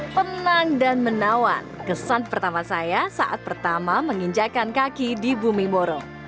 tenang dan menawan kesan pertama saya saat pertama menginjakan kaki di bumi moro